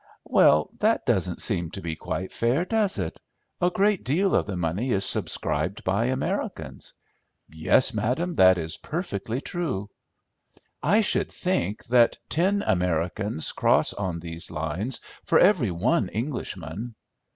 "Well, that doesn't seem to be quite fair, does it? A great deal of the money is subscribed by Americans." "Yes, madam, that is perfectly true." "I should think that ten Americans cross on these lines for every one Englishman."